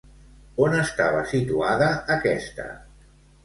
On estava situada aquesta?